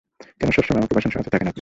কেন সবসময় আমাকে ভাষণ শুনাতে থাকেন আপনি?